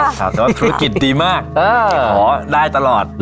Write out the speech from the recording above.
แต่ว่าธุรกิจดีมากขอได้ตลอด